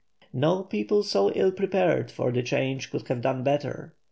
No people so ill prepared for the change could have done better.